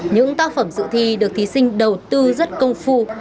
những tác phẩm dự thi được thí sinh đầu tư rất công phu